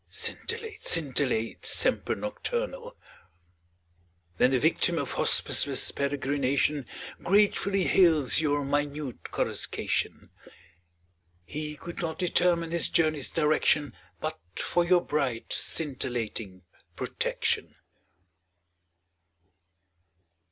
Scintillate, scintillate, semper nocturnal. Saintc Margirie 4T7 Then the yictiin of hospiceless peregrination Gratefully hails your minute coruscation. He could not determine his journey's direction But for your bright scintillating protection.